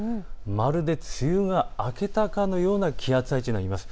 まるで梅雨が明けたかのような気圧配置になります。